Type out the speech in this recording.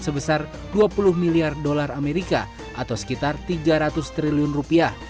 sebesar dua puluh miliar dolar amerika atau sekitar tiga ratus triliun rupiah